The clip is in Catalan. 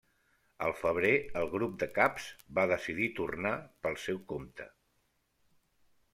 Al febrer, el grup de caps va decidir tornar pel seu compte.